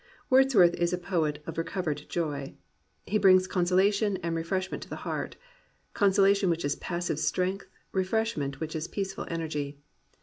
Wordsworth is a poet of recovered joy. He brings consolation and refreshment to the heart, — con solation which is passive strength, refreshment which is peaceful energy.